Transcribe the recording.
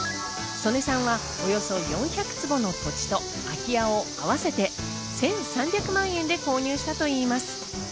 曽根さんはおよそ４００坪の土地と空き家を合わせて１３００万円で購入したといいます。